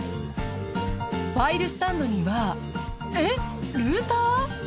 ファイルスタンドにはえっルーター！？